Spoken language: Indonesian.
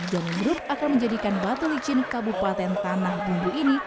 john group akan menjadikan batu licin kabupaten tanah bumbu ini